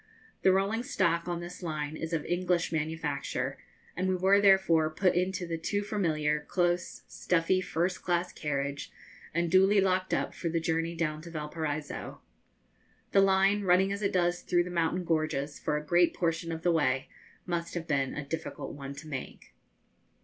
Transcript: The rolling stock on this line is of English manufacture, and we were therefore put into the too familiar, close, stuffy, first class carriage, and duly locked up for the journey down to Valparaiso. The line, running as it does through mountain gorges for a great portion of the way, must have been a difficult one to make.